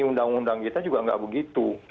undang undang kita juga nggak begitu